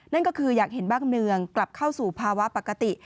นั่นก็คืออยากเห็นบ้านเมืองกลับเข้าสู่ภาวะปกติ